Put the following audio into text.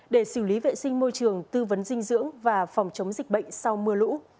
để xử lý vệ sinh môi trường tư vấn dinh dưỡng và phòng chống dịch bệnh sau mưa lũ